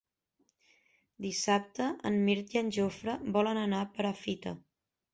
Dissabte en Mirt i en Jofre volen anar a Perafita.